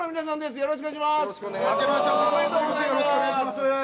よろしくお願いします。